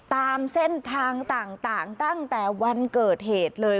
ตามเส้นทางต่างตั้งแต่วันเกิดเหตุเลย